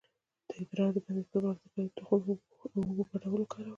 د ادرار د بندیدو لپاره د کدو د تخم او اوبو ګډول وکاروئ